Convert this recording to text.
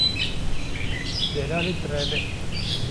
Delalê direve.